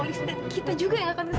polisi dan kita juga yang akan diseret